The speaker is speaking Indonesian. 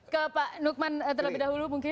ke pak nukman terlebih dahulu mungkin